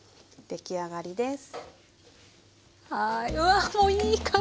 出来上がりです。